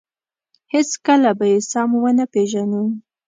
هېڅکله به یې سم ونه پېژنو.